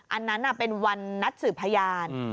อันนั้นเป็นวันนัดสืบพยาน